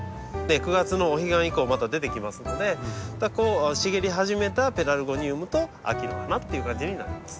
９月のお彼岸以降また出てきますので茂り始めたペラルゴニウムと秋の花っていう感じになります。